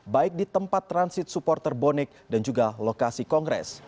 baik di tempat transit supporter bonek dan juga lokasi kongres